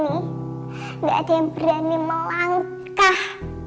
tidak ada yang berani melangkah